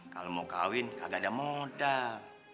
kalau mau kawin kagak ada modal